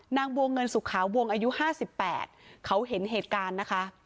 นางบัวเงินสุขาวงอายุ๕๘เขาเห็นเหตุการณ์นะคะ